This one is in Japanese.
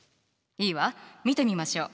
いいわ見てみましょう。